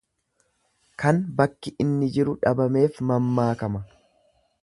Kan bakki inni jiru dhabameef mammaakama.